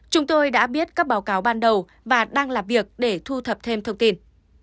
chúng tôi đã biết các báo cáo ban đầu và đang làm việc để thu thập thêm thông tin